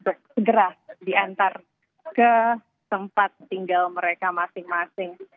jadi ini adalah satu perintah yang akan diantar ke rumah atau tempat tinggal mereka masing masing